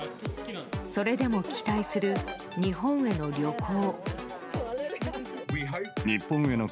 それでも期待する日本への旅行。